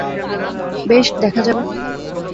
বেশ, দেখা যাবে।